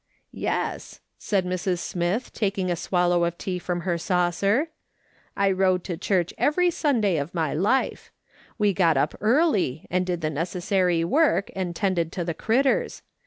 " Yes," said Mrs. Smith, taking a swallow of tea ^' PERHAPS SUP'S RtGttT. " 1 1 7 from her saucer, "I rode to cliurch every Sunday of my life. We got up early and did the necessary work and tended to the critters.